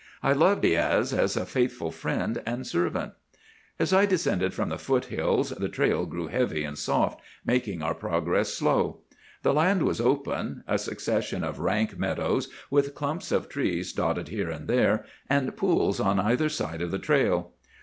I loved Diaz as a faithful friend and servant. "As I descended from the foothills the trail grew heavy and soft, making our progress slow. The land was open,—a succession of rank meadows, with clumps of trees dotted here and there, and pools on either side of the trail.